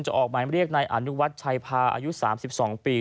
จะออกมาเรียกในอนุวัติชัยพาอายุ๓๒ปี